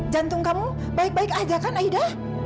jantung kamu baik baik aja kan aida